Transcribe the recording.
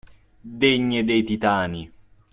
Degne dei Titani